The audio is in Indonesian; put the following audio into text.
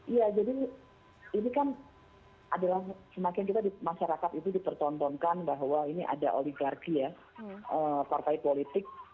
iya jadi ini kan adalah semakin kita di masyarakat itu dipertontonkan bahwa ini ada oligarki ya partai politik